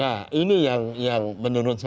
nah ini yang menurut saya